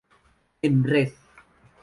En red.